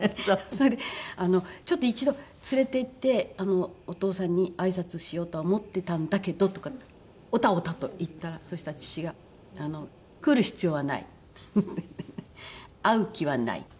それで「ちょっと一度連れていってお父さんにあいさつしようとは思ってたんだけど」とかってオタオタと言ったらそしたら父が「来る必要はない」「会う気はない」。